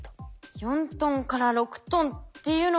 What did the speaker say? ４トンから６トンっていうのは。